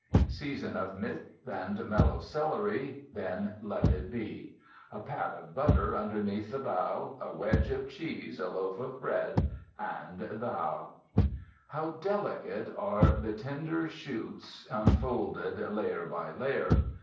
Season of mists and mellow celery, then let it be. A pat of butter underneath the bough, a wedge of cheese, a loaf of bread and Thou. How delicate are the tender shoots unfolded layer by layer.